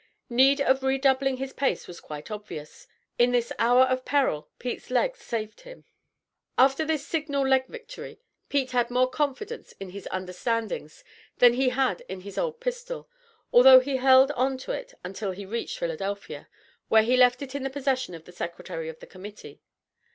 Need of redoubling his pace was quite obvious. In this hour of peril, Pete's legs saved him. After this signal leg victory, Pete had more confidence in his "understandings," than he had in his old pistol, although he held on to it until he reached Philadelphia, where he left it in the possession of the Secretary of the Committee.